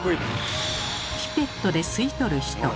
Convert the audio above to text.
ピペットで吸い取る人。